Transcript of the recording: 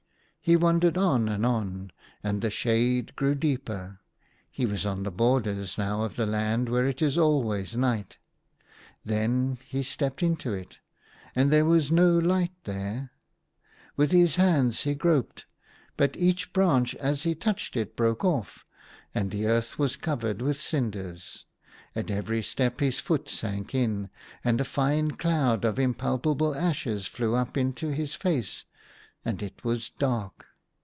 He wandered on and on, and the shade grew deeper. He was on the borders now of the land where it is always night. Then he stepped into it, and there was no light there. With his hands he groped ; but each branch as he touched it broke 38 THE HUNTER. off, and the earth was covered with cinders. At every step his foot sank in, and a fine cloud of impalpable ashes flew up into his face ; and it was dark.